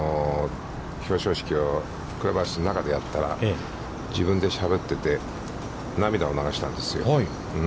表彰式をクラブハウスの中でやったら自分でしゃべってて、涙を流したんですよね。